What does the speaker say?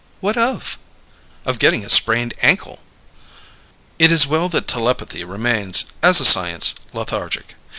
"What of?" "Of getting a sprained ankle!" It is well that telepathy remains, as a science, lethargic.